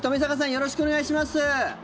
よろしくお願いします。